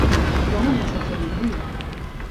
Roma no es va fer en un dia.